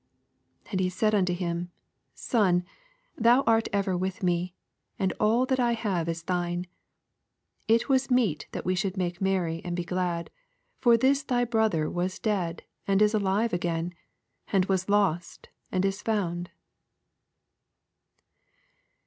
31 And he said unto him, Son, thou art ever with me, and all that I have is thine. 32 It was meet that we should make merry, and be glad : for this thy bro ther was dead, and is alive again ; and was lost, and is found.